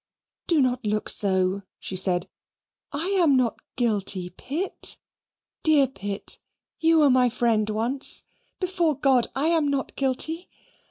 "Do not look so," she said. "I am not guilty, Pitt, dear Pitt; you were my friend once. Before God, I am not guilty.